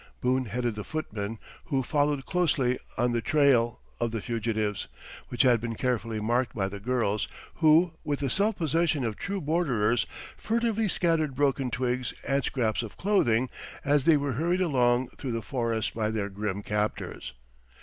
Boone headed the footmen, who followed closely on the trail of the fugitives, which had been carefully marked by the girls, who, with the self possession of true borderers, furtively scattered broken twigs and scraps of clothing as they were hurried along through the forest by their grim captors.